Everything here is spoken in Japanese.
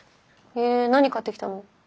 え何買ってきたの？